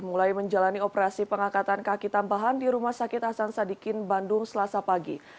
mulai menjalani operasi pengangkatan kaki tambahan di rumah sakit hasan sadikin bandung selasa pagi